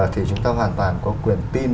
thì chúng ta hoàn toàn có quyền tin